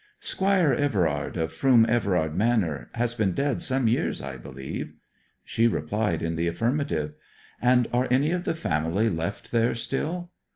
'Squire Everard, of Froom Everard Manor, has been dead some years, I believe?' She replied in the affirmative. 'And are any of the family left there still?'